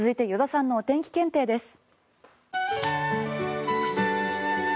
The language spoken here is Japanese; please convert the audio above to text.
続いて依田さんのお天気検定です。